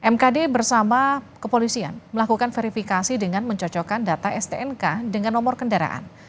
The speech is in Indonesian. mkd bersama kepolisian melakukan verifikasi dengan mencocokkan data stnk dengan nomor kendaraan